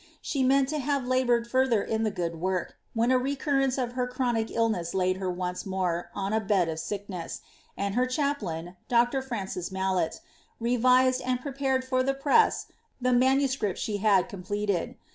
She meant to have laboured furtlic: wi the ^ood work, when a recurrence of her chronic illness laid her onrt. more on t bed of sicknosf, and her chaplain. Dr. Francis Mallei, revised and pre pared for the press the manuscript she had completed.